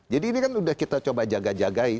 jadi ini kan sudah kita coba jaga jagai